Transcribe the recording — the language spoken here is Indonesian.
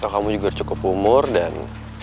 kamu juga cukup umur dan